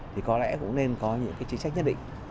thì có lẽ cũng nên có những cái chính sách nhất định